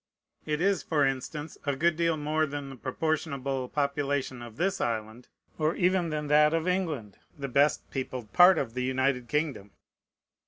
It is, for instance, a good deal more than the proportionable population of this island, or even than that of England, the best peopled part of the United Kingdom.